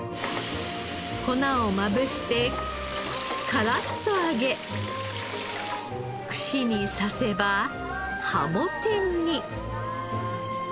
粉をまぶしてカラッと揚げ串に刺せばはも天に。